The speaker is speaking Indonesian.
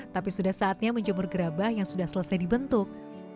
tapi sudah saatnya menjemur gerabah yang sudah selesai dibentuk